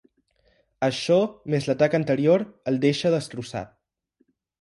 Això, més l'atac anterior, el deixa destrossat.